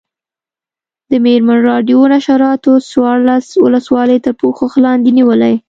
د مېرمن راډیو نشراتو څوارلس ولسوالۍ تر پوښښ لاندې نیولي.